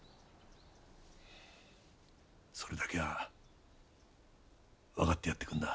それだけは分かってやってくんな。